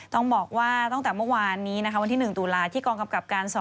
ต้องบอกว่าตั้งแต่เมื่อวานนี้นะคะวันที่๑ตุลาที่กองกำกับการ๒